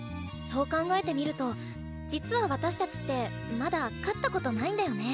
そう考えてみると実は私たちってまだ勝ったことないんだよね。